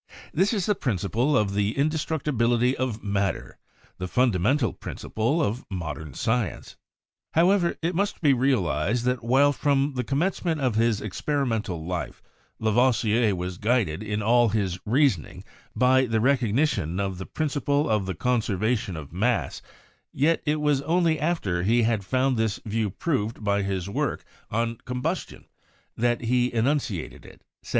This is the principle of the Indestructibility of Matter, the fundamental principle of modern science. However, it must be realized that while from the com mencement of his experimental life Lavoisier was guided in all his reasoning by the recognition of the principle of the conservation of mass, yet it was only after he had i62 CHEMISTRY found this view proved by his work on combustion that he enunciated it (1785).